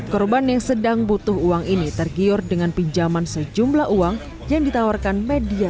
korban yang sedang butuh uang ini tergiur dengan pinjaman sejumlah uang yang ditawarkan media